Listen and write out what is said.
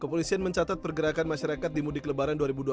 kepolisian mencatat pergerakan masyarakat di mudik lebaran dua ribu dua puluh